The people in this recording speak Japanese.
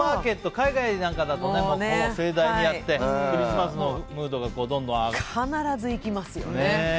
海外なんかだと盛大にやってクリスマスのムードが必ず行きますよ。